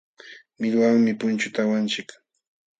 Millwawanmi punchuta awanchik.